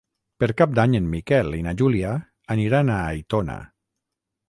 Per Cap d'Any en Miquel i na Júlia aniran a Aitona.